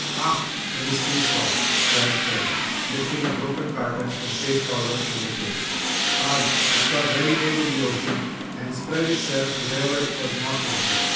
"Ah! the mystery's solved!" cried Fred, lifting a broken carton of paste powder from the case. "Agh! It's got ready made in the ocean and spread itself wherever it was not wanted!"